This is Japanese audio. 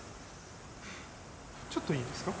ちょっといいですか？